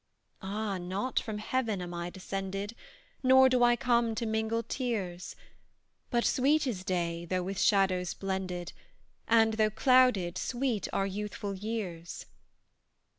"Ah! not from heaven am I descended, Nor do I come to mingle tears; But sweet is day, though with shadows blended; And, though clouded, sweet are youthful years.